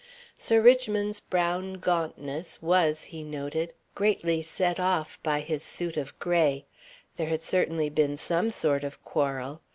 Sir Richmond's brown gauntness was, he noted, greatly set off by his suit of grey. There had certainly been some sort of quarrel.